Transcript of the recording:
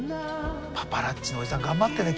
パパラッチのおじさん頑張ってね。